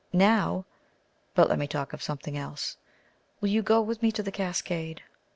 Now but let me talk of something else will you go with me to the cascade?